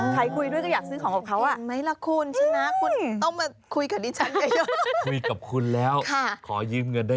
ใครคุยด้วยก็อยากซื้อของกับเขา